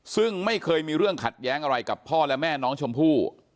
ซึ่งไม่เคยมีเรื่องขัดแย้งอะไรกับพ่อและแม่น้องชมพู่